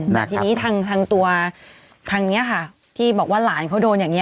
แต่ทีนี้ทางตัวทางนี้ค่ะที่บอกว่าหลานเขาโดนอย่างนี้